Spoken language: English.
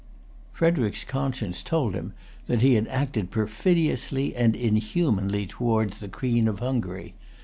Frederic's conscience told him that he had acted perfidiously and inhumanly towards the Queen of Hungary.